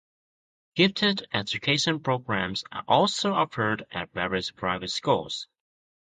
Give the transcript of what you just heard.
Gifted education programs are also offered at various private schools.